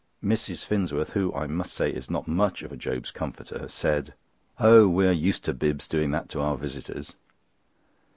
Mrs. Finsworth, who, I must say, is not much of a Job's comforter, said: "Oh! we are used to Bibbs doing that to our visitors."